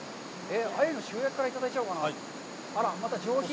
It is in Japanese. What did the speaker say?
アユの塩焼きからいただいちゃおうかな。